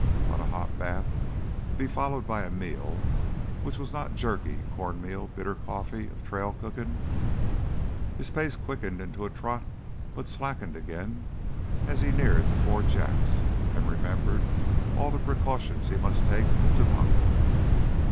But a hot bath to be followed by a meal which was not the jerky, corn meal, bitter coffee of trail cooking! His pace quickened into a trot but slackened again as he neared the Four Jacks and remembered all the precautions he must take in Tubacca.